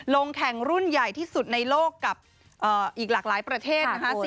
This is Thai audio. ลงแข่งรุ่นใหญ่ที่สุดในโลกกับอีกหลากหลายประเทศนะคะ